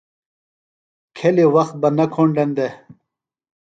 کھیلیۡ وخت نہ کُھنڈن دےۡ۔